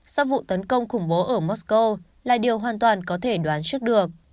do vụ tấn công khủng bố ở moscow là điều hoàn toàn có thể đoán trước được